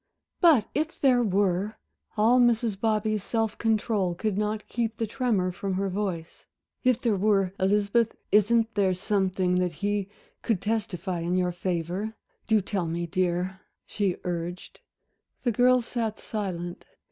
"But if there were" all Mrs. Bobby's self control could not keep the tremor from her voice "if there were, Elizabeth, isn't there something that he could testify in your favor? Do tell me, dear," she urged; the girl sat silent.